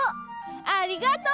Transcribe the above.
ありがとう！